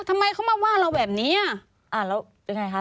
ทำไมคุยกันยาวไหมคะ